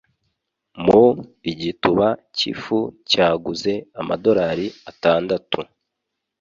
Mu , igituba cy'ifu cyaguze amadorari atandatu.